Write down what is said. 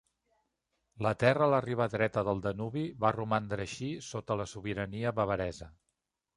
La terra a la riba dreta del Danubi va romandre així sota la sobirania bavaresa.